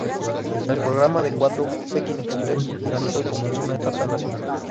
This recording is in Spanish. El programa de Cuatro, Pekín Express finalizó y comenzó una etapa en la ciudad.